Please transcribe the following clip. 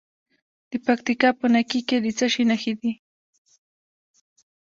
د پکتیکا په نکې کې د څه شي نښې دي؟